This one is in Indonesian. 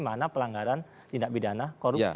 mana pelanggaran tindak pidana korupsi